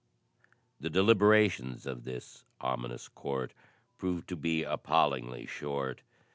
The deliberations of this ominous court proved to be appallingly short.